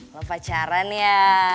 lo pacaran ya